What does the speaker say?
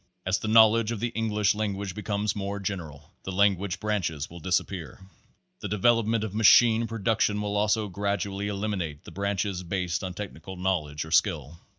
As the knowledge of the English language becomes more general, the language branches will disappear. The development of machine production will also gradually eliminate the branches based on technical knowledge, or skill.